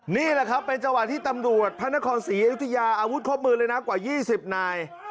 นี่แหละครับเป็นจังหวะที่ตำรวจพระนครศรีอยุธยาอาวุธครบมือเลยนะกว่า๒๐นาย